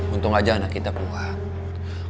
untung aja anak kita keluar